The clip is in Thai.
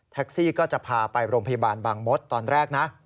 แท็กซี่ก็จะพาไปโรงพยาบาลบางมศตอนแรก